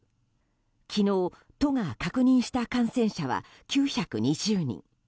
昨日、都が確認した感染者は９２０人。